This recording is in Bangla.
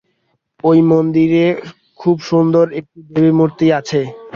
ঐ মন্দিরে খুব সুন্দর একটি দেবীমূর্তি আছে।